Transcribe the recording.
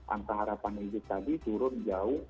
angka harapan hidup tadi turun jauh